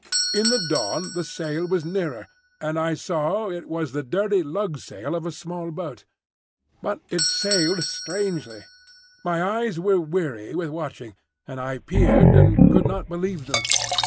In the dawn the sail was nearer, and I saw it was the dirty lug sail of a small boat. But it sailed strangely. My eyes were weary with watching, and I peered and could not believe them.